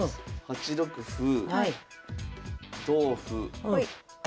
８六歩同歩。